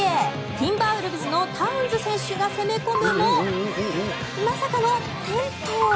ティンバーウルブズのタウンズ選手が攻め込むもまさかの転倒。